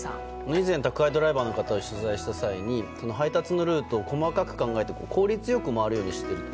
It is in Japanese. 以前、宅配ドライバーの方を取材した際に配達のルートを細かく考えて効率よく回るようにしてると。